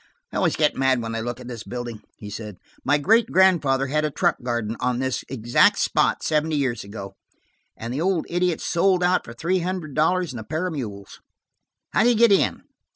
"I always get mad when I look at this building," he said. "My great grandfather had a truck garden on this exact spot seventy years ago, and the old idiot sold out for three hundred dollars and a pair of mules! How do you get in?"